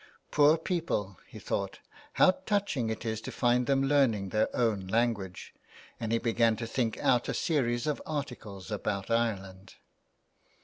'* Poor people,'' he thought, '* how touching it is to find them learning their own language," and he began to think out a series of articles about Ireland.